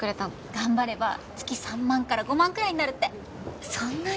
頑張れば月３万から５万くらいになるってそんなに？